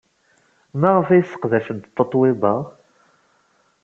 Maɣef ay sseqdacent Tatoeba?